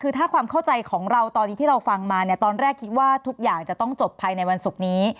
คือถ้าความเข้าใจของเราตอนนี้ที่เราฟังมาเนี่ยตอนแรกคิดว่าทุกอย่างจะต้องจบภายในวันศุกร์นี้